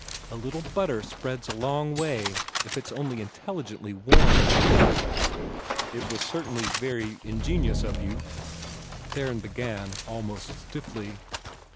A little butter spreads a long way, if it's only intelligently warmed." "It was certainly very ingenious of you," Theron began almost stiffly.